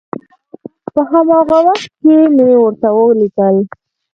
په هماغه وخت کې مې ورته ولیکل.